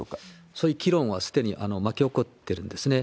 そういう議論はすでに巻き起こってるんですね。